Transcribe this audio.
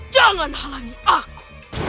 jangan halangi aku